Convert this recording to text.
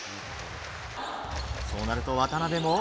そうなると、渡邊も。